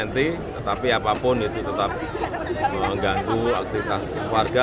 tetapi apapun itu tetap mengganggu aktivitas warga